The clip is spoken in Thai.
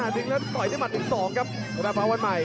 ต่อยได้หมัดอีกสองครับ